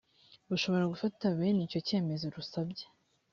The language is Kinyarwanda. rushobora gufata bene icyo cyemezo rusabye